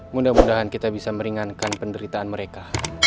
mudah mudahan kita bisa meringankan penderitaan mereka